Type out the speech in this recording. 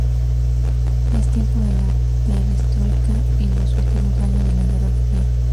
Es tiempo de la "perestroika" y los últimos años de la guerra fría.